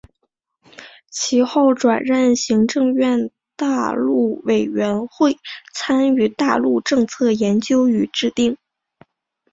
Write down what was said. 其后转任行政院大陆委员会参与大陆政策研究与制定。